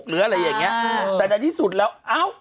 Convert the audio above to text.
แล้วก็นั่งตามหาอีกนะ